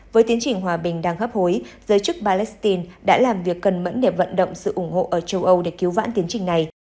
với tiến trình hòa bình đang gấp hối giới chức palestine đã làm việc cần mẫn để vận động sự ủng hộ ở châu âu để cứu vãn tiến trình này